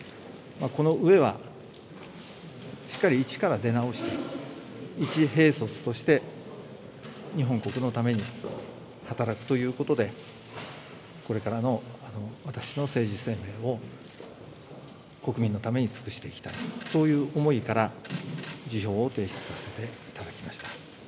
このうえは、しっかり一から出直して、一兵卒として、日本国のために働くということで、これからの私の政治生命を国民のために尽くしていきたい、そういう思いから辞表を提出させていただきました。